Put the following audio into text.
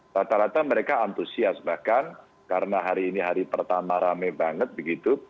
rata rata mereka antusias bahkan karena hari ini hari pertama rame banget begitu